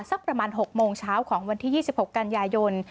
สักประมาณ๖โมงเช้าของวันที่๒๖กันยายน